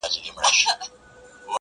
• په جوپو جوپو به دام ته نه ورتللې ,